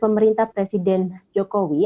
pemerintah presiden jokowi